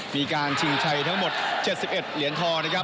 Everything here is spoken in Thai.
มีการชิงชัยทั้งหมดเจ็ดสิบเอ็ดเหรียญทองนะครับ